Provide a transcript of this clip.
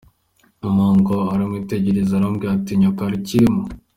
Mpongo aramwitegereza aramubwira, ati “Nyoko akirimo?”.